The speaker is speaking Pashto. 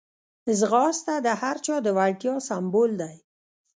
ځغاسته د هر چا د وړتیا سمبول دی